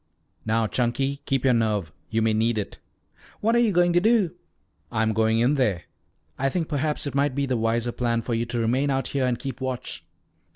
"Now, Chunky, keep your nerve. You may need it." "What are you going to do?" "I'm going in there. I think perhaps it might be the wiser plan for you to remain out here and keep watch."